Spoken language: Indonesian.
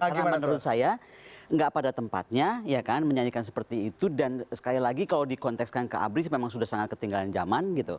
karena menurut saya gak pada tempatnya ya kan menyanyikan seperti itu dan sekali lagi kalau dikontekskan ke abis memang sudah sangat ketinggalan zaman gitu